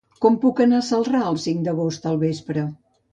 Com puc anar a Cerdà el cinc d'agost al vespre?